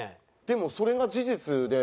でもそれが事実で。